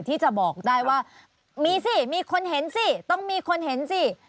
ที่จะบอกได้ว่ามีสิมีคนเห็นสิต้องมีคนเห็นสิ